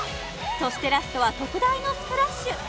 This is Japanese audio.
そしてラストは特大のスプラッシュ！